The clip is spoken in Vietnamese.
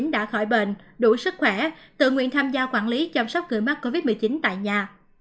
đã khỏi bệnh đủ sức khỏe tự nguyện tham gia quản lý chăm sóc người mắc covid một mươi chín tại nhà